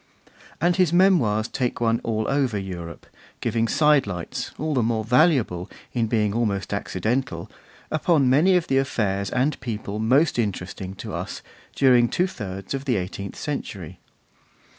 And his Memoirs take one all over Europe, giving sidelights, all the more valuable in being almost accidental, upon many of the affairs and people most interesting to us during two thirds of the eighteenth century.